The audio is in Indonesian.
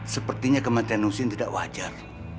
sepertinya kematian nusin tidak wajar